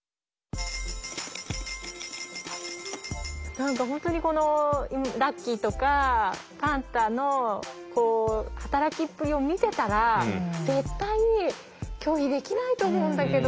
何か本当にラッキーとかファンタの働きっぷりを見てたら絶対に拒否できないと思うんだけど。